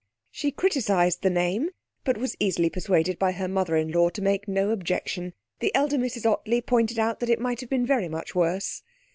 She criticised the name, but was easily persuaded by her mother in law to make no objection. The elder Mrs Ottley pointed out that it might have been very much worse.